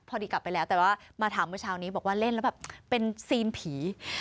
พอดีกลับไปแล้วแต่ว่ามาถามเมื่อเช้านี้บอกว่าเล่นแล้วแบบเป็นซีนผี